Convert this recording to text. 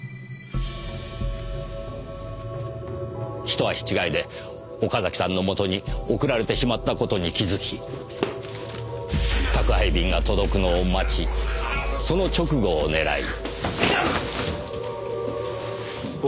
一足違いで岡崎さんの元に送られてしまった事に気づき宅配便が届くのを待ちその直後を狙い。